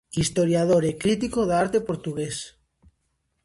Historiador e crítico da arte portugués.